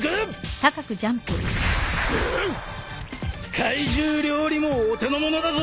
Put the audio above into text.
海獣料理もお手の物だぞ！